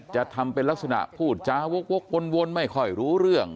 จะทำเป็นลักษณะพูดจาวกวนไม่ค่อยรู้เรื่อง